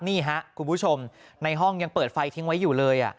นี่ครับคุณผู้ชมในห้องยังเปิดไฟทิ้งไว้อยู่เลย